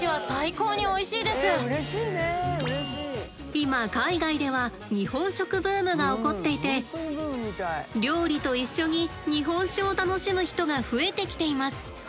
今海外では日本食ブームが起こっていて料理と一緒に日本酒を楽しむ人が増えてきています。